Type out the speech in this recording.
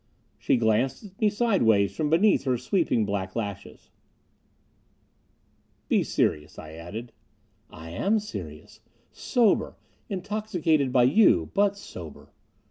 She glanced at me sidewise from beneath her sweeping black lashes. "Be serious," I added. "I am serious. Sober. Intoxicated by you, but sober."